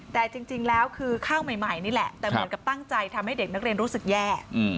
แต่จริงแล้วคือข้าวใหม่นี่แหละแต่เหมือนกับตั้งใจทำให้เด็กนักเรียนรู้สึกแย่